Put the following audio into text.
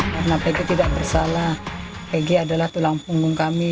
karena pg tidak bersalah pg adalah tulang punggung kami